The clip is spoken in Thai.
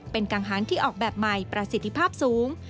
เป็นกังหางที่ออกแบบใหม่ประสิทธิภาพสูง